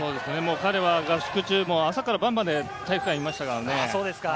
彼は合宿中、朝から晩まで体育館にいましたからね。